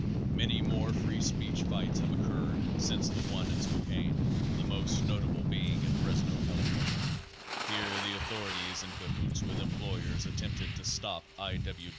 Many more free speech fights have occurred since the one in Spokane, the most notable being at Fresno, California. Here the authorities in cahoots with em ployers attempted to stop I.